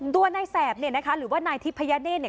ตัวนายแสบเนี่ยนะคะหรือว่านายทิพยเนธเนี่ย